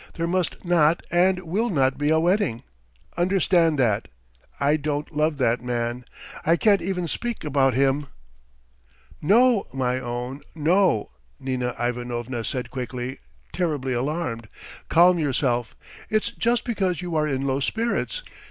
"There must not and will not be a wedding, understand that! I don't love that man ... I can't even speak about him." "No, my own, no!" Nina Ivanovna said quickly, terribly alarmed. "Calm yourself it's just because you are in low spirits.